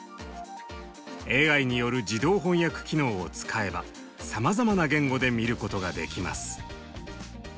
ＡＩによる自動翻訳機能を使えばさまざまな言語で見ることができます。